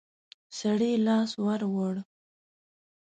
سړي لاس ور ووړ.